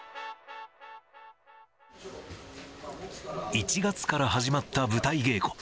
１月から始まった舞台稽古。